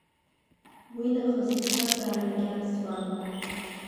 Уи нахыс аԥсҭазаара кьаасуан…